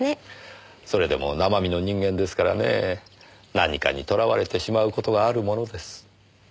それでも生身の人間ですからね何かにとらわれてしまう事があるものです。